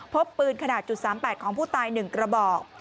พบปืนขนาด๓๘ของผู้ตาย๑กระบอก